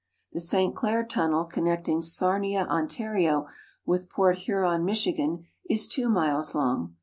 The St. Clair tunnel, connecting Sarnia, Ont., with Port Huron, Mich., is 2 miles long.